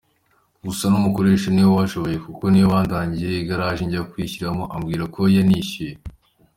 Gusa umukoresha ni we wanshoye kuko niwe wandangiye igaraje njya kugishyirishamo, ambwira ko yanishyuye.